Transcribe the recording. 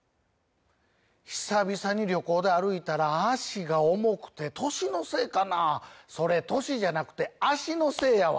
久々に旅行で歩いたら脚が重くて歳のせいかなそれ「歳」じゃなくて「脚」のせいやわ！